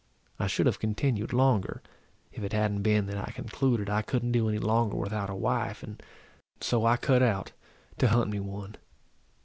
I should have continued longer, if it hadn't been that I concluded I couldn't do any longer without a wife; and so I cut out to hunt me one.